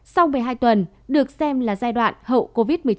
sau một mươi hai tuần được xem là giai đoạn hậu covid một mươi chín